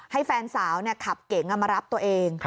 ให้แฟนสาวขับเก๋งมารับตัวเอง